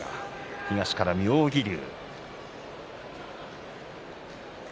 東からは妙義龍。